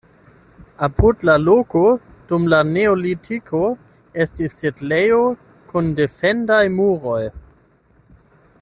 Apud la loko dum la neolitiko estis setlejo kun defendaj muroj.